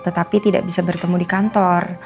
tetapi tidak bisa bertemu di kantor